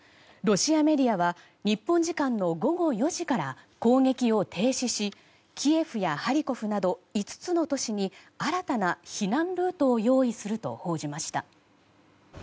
ロシアメディアは日本時間の午後４時から攻撃を停止しキエフやハリコフなど５つの都市に新たな避難ルートを用意すると報じました。